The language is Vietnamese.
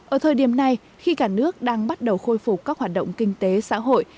ở thời điểm này khi cả nước đang bắt đầu khôi phục các hoạt động kinh tế xã hội